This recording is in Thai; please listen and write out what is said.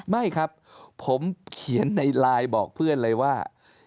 ไม่ครับผมเขียนในไลน์บอกเพื่อนเลยว่า